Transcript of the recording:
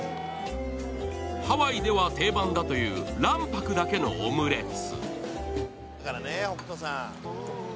ハワイでは定番だという卵白だけのオムレツ。